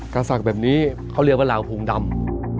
การสักแบบนี้เขาเรียกว่าลาวภูมิดำ